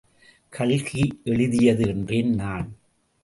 கல்கி எழுதியது என்றேன் நான்.